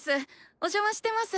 お邪魔してます。